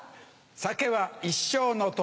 酒は一生の友。